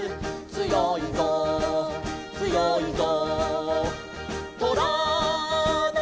「つよいぞつよいぞ」